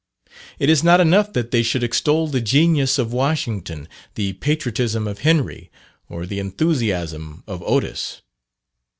It is not enough that they should extol the genius of Washington, the patriotism of Henry, or the enthusiasm of Otis.